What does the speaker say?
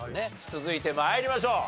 続いて参りましょう。